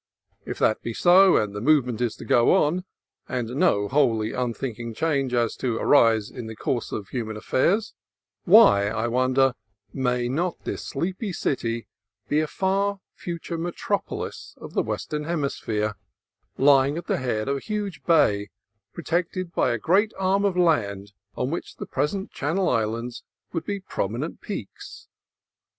If that be so, and the movement is to go on, and no wholly unthink able change is to arise in the course of human affairs, why, I wondered, may not this sleepy city be a far future metropolis of the Western Hemisphere, ly ing at the head of a huge bay protected by a great arm of land on which the present Channel Islands would be prominent peaks?